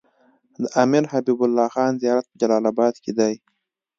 د امير حبيب الله خان زيارت په جلال اباد کی دی